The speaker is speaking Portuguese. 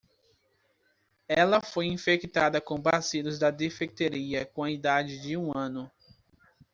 Ela foi infectada com bacilos da difteria com a idade de um ano.